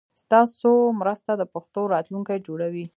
ستاسو مرسته د پښتو راتلونکی جوړوي.